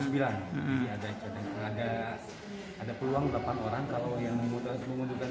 setelah delapan orang